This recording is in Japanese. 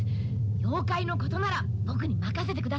妖怪の事なら僕に任せてください。